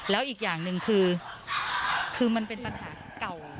แล้วอีกอย่างหนึ่งคือมันเป็นปัญหาเก่า